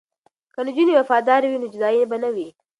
که نجونې وفادارې وي نو جدایی به نه وي.